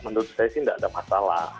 menurut saya sih tidak ada masalah